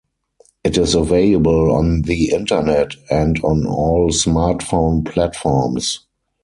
It is available on the Internet and on all smartphone platforms.